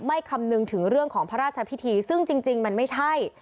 คำนึงถึงเรื่องของพระราชพิธีซึ่งจริงมันไม่ใช่